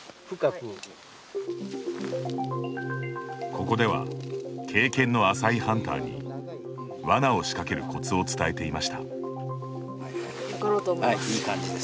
ここでは経験の浅いハンターにワナを仕掛けるコツを伝えていました。